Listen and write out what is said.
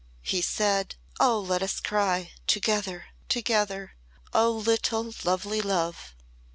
"He said, 'Oh, let us cry together together! Oh little lovely love'!"